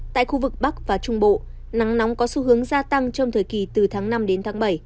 tại khu vực bắc và trung bộ nắng nóng có xu hướng gia tăng trong thời kỳ từ tháng năm đến tháng bảy